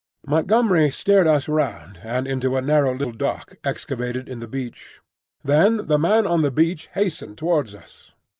Montgomery steered us round and into a narrow little dock excavated in the beach. Then the man on the beach hastened towards us.